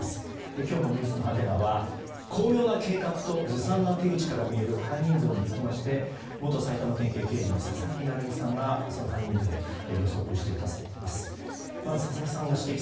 今日のｎｅｗｓのハテナは巧妙な計画とずさんな手口から見える犯人像につきまして元埼玉県警刑事の佐々木成三さんが、その犯人像を予測してくださっています。